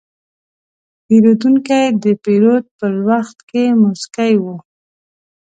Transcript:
پیرودونکی د پیرود پر وخت موسکی و.